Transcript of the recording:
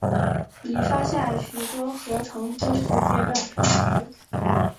已发现许多合成分子结的方式。